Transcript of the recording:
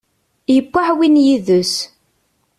Yewwi aεwin yid-s